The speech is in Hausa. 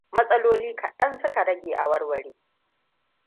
Matsaloli kaɗan suka rage a warware.